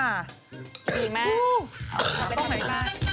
จริงไหม